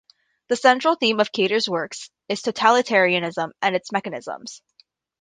The central theme of Kadare's works is totalitarianism and its mechanisms.